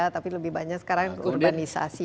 tapi lebih banyak sekarang urbanisasi